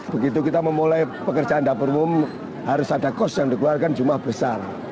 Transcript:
begitu kita memulai pekerjaan dapur umum harus ada kos yang dikeluarkan jumlah besar